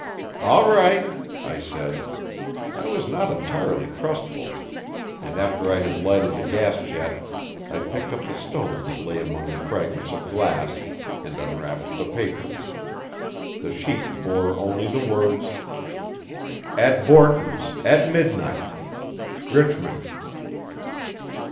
"All right," I said. I was not entirely trustful, and after I had lighted the gas jet I picked up the stone that lay among the fragments of glass, and unwrapped the paper. The sheet bore only the words: "At Borton's, at midnight. Richmond."